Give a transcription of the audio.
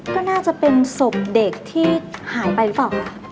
ก็น่าจะเป็นศพเด็กที่หายไปหรือเปล่าคะ